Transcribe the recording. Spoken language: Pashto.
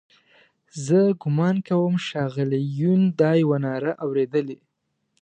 زه ګومان کوم ښاغلي یون دا یوه ناره اورېدلې.